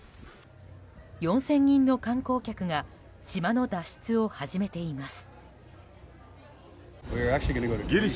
４０００人の観光客が島の脱出を始めています。